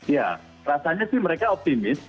ya rasanya sih mereka optimis